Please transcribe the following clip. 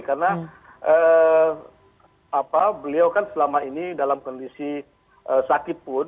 karena beliau kan selama ini dalam kondisi sakit pun